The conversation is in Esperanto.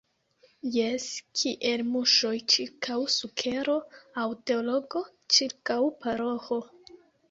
Jes, kiel muŝoj ĉirkaŭ sukero aŭ teologo ĉirkaŭ paroĥo!